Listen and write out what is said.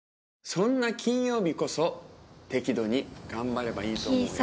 そんな金曜日こそ適度に頑張ればいいと思うよ。